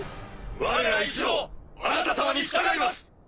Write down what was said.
われら一同あなた様に従います！